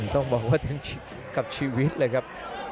ต้องบอกว่าถึงชิดกับชีวิตเลยครับ